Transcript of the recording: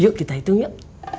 yuk kita hitung yuk